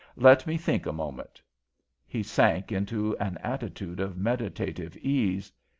Let me think a moment." He sank into an attitude of meditative ease.